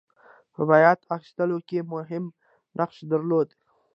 په بیعت اخیستلو کې مهم نقش درلود.